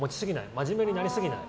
真面目になりすぎない。